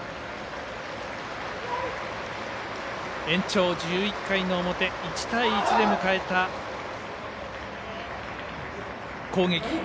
延長１１回の表１対１で迎えた攻撃。